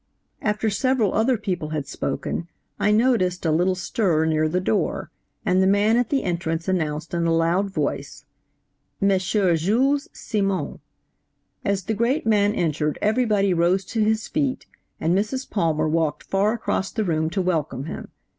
"After several other people had spoken I noticed a little stir near the door, and the man at the entrance announced in a loud voice–'M. Jules Simon.' As the great man entered every body rose to his feet, and Mrs. Palmer walked far across the room to welcome him.